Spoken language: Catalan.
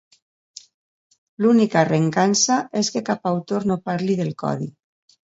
L'única recança és que cap autor no parli del codi.